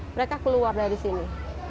mereka keluar dari sini